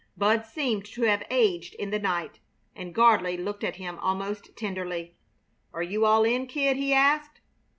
Bud seemed to have aged in the night, and Gardley looked at him almost tenderly. "Are you all in, kid?" he asked.